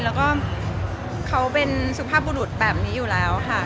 แล้วเขาก็เป็นสุขภาพโบรุษแบบนี้แล้ว